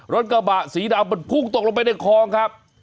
รถกระบะสีดำมันพุ่งตกลงไปในคลองครับ